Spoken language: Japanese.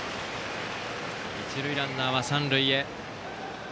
一塁ランナーは三塁へ。